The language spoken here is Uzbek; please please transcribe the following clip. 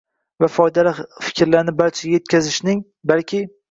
va foydali fikrlarni barchaga yetkazishning, balki